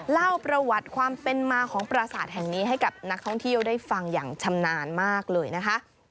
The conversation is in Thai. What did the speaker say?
เล่าประวัติความเป็นมาของปราศาสตร์แห่งนี้ให้กับนักท่องเที่ยวได้ฟังอย่างชำนาญมากเลยนะคะ